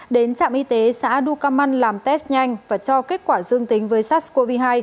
đến trạm y tế xã đu cà măn làm test nhanh và cho kết quả dương tính với sars cov hai